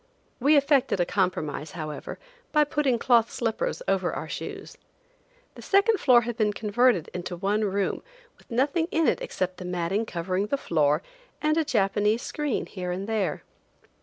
We effected a compromise, however, by putting cloth slippers over our shoes. The second floor had been converted into one room, with nothing in it except the matting covering the floor and a Japanese screen here and there.